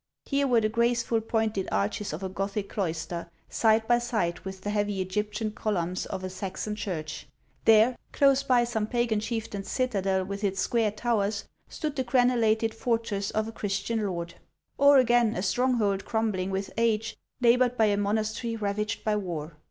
Here were the graceful pointed arches of a Gothic cloister, side by side with the heavy Egyptian columns of a Saxon church; there, close by some pagan chieftain's citadel with its square towers, stood the crenellated fortress of a Chris tian lord ; or, again, a stronghold crumbling with age, neighbored by a monastery ravaged by war.